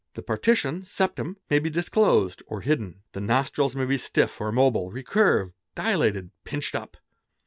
The partition (septum) may be disclosed or hidden. The nostrils may be stiff or mobile, recurved, dilated, pinched up.